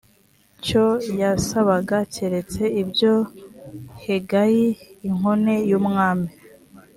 cyo yasabaga keretse ibyo hegayi inkone y umwami